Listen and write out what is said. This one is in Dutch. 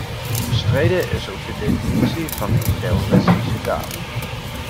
Omstreden is ook de definitie van een terroristische daad.